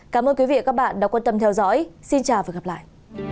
cảm ơn quý vị và các bạn đã quan tâm theo dõi xin chào và hẹn gặp lại